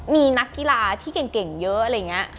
มีนักกีฬาที่เก่งเยอะอะไรอย่างนี้